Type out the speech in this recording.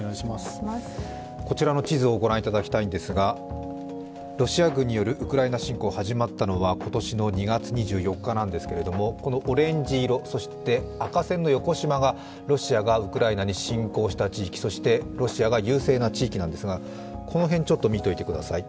こちらの地図をご覧いただきたいんですが、ロシア軍によるウクライナ侵攻が始まったのは今年２月２４日なんですけれども、オレンジ色、そして赤線の横しまがロシアがウクライナに侵攻した地域、そしてロシアが優勢な地域なんですがこの辺、見ておいてください。